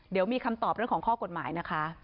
เดี๋ยวมีคำตอบเรื่องของข้อกฎหมายนะคะ